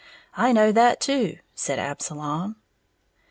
"I know that, too," said Absalom.